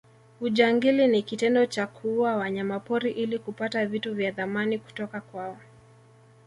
ujangili ni kitendo cha kuua wanyamapori ili kupata vitu vya thamani kutoka kwao